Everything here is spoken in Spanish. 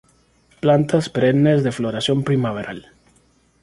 Plantas perennes de floración primaveral.